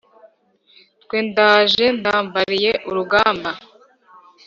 twe ndaje nambariye urugamba